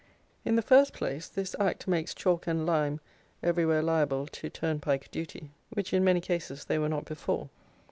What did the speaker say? In the first place this Act makes chalk and lime everywhere liable to turnpike duty, which in many cases they were not before.